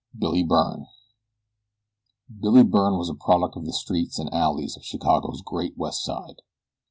BILLY BYRNE BILLY BYRNE was a product of the streets and alleys of Chicago's great West Side.